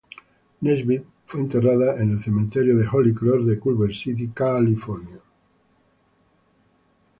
Nesbit fue enterrada en el Cementerio de Holy Cross de Culver City, California.